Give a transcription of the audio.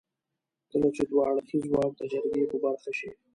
کله چې دوه اړخيز واک د جرګې په برخه شي.